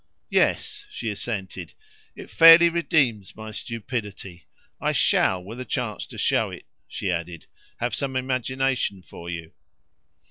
'" "Yes," she assented; "it fairly redeems my stupidity. I SHALL, with a chance to show it," she added, "have some imagination for you."